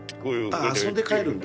ああ遊んで帰るんだ。